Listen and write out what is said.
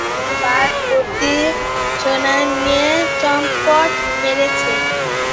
ওরা নিশ্চিত ব্যাগ ভর্তি সোনা নিয়ে চম্পট মেরেছে।